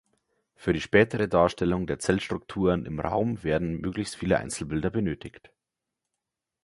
Für die spätere Darstellung der Zellstrukturen im Raum werden möglichst viele Einzelbilder benötigt.